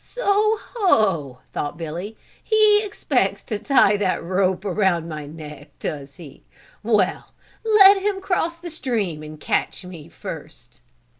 "So, ho," thought Billy, "he expects to tie that rope around my neck, does he? Well, let him cross the stream and catch me first."